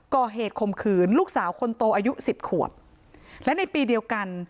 ข่มขืนลูกสาวคนโตอายุสิบขวบและในปีเดียวกัน